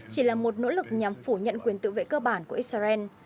chỉ là một nỗ lực nhằm phủ nhận quyền tự vệ cơ bản của israel